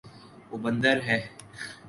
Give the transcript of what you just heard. وہ بندر ہے